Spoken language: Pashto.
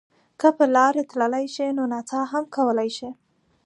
که په لاره تللی شئ نو نڅا هم کولای شئ.